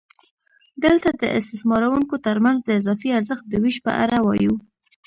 دلته د استثماروونکو ترمنځ د اضافي ارزښت د وېش په اړه وایو